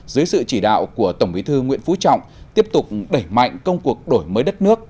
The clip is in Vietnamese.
dưới sự chỉ đạo của tổng bí thư nguyễn phú trọng tiếp tục đẩy mạnh công cuộc đổi mới đất nước